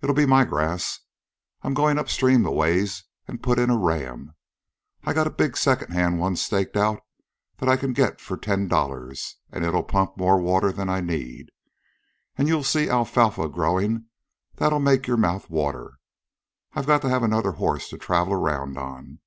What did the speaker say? It'll be my grass. I 'm goin' up stream a ways an' put in a ram. I got a big second hand one staked out that I can get for ten dollars, an' it'll pump more water'n I need. An' you'll see alfalfa growin' that'll make your mouth water. I gotta have another horse to travel around on.